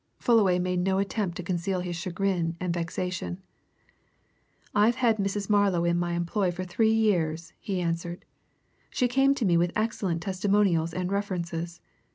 Fullaway made no attempt to conceal his chagrin and vexation. "I've had Mrs. Marlow in my employ for three years," he answered. "She came to me with excellent testimonials and references.